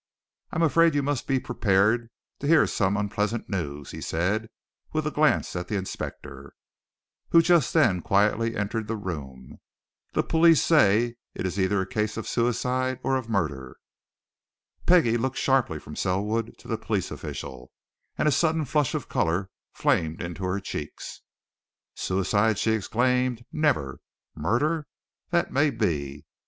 "I'm afraid you must be prepared to hear some unpleasant news," he said, with a glance at the inspector, who just then quietly entered the room. "The police say it is either a case of suicide or of murder." Peggie looked sharply from Selwood to the police official, and a sudden flush of colour flamed into her cheeks. "Suicide?" she exclaimed. "Never! Murder? That may be.